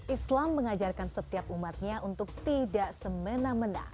islam mengajarkan setiap umatnya untuk tidak semena mena